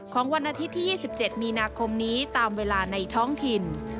วันอาทิตย์ที่๒๗มีนาคมนี้ตามเวลาในท้องถิ่น